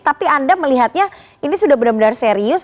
tapi anda melihatnya ini sudah benar benar serius